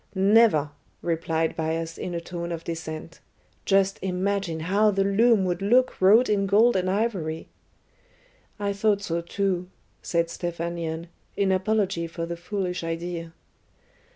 "Never," replied Bias in a tone of dissent. "Just imagine how the loom would look wrought in gold and ivory!" "I thought so too," said Stephanion, in apology for the foolish idea.